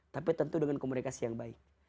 tapi tentu dengan komunikasi yang baik